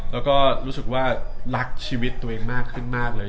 แล้วก็รู้สึกว่ารักชีวิตตัวเองมากขึ้นมากเลย